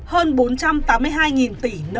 hơn bốn trăm tám mươi hai tỷ